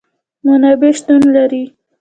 منابع شتون لري